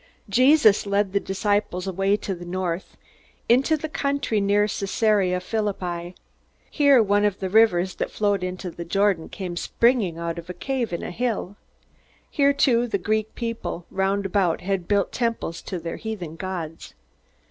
Jesus led the disciples away to the north, into the country near Caesarea Philippi. Here one of the rivers that flowed into the Jordan came springing out of a cave in a hill. Here too the Greek people round about had built temples for their heathen gods.